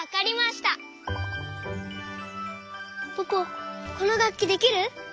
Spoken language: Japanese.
ポポこのがっきできる？